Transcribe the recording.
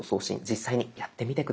実際にやってみて下さい。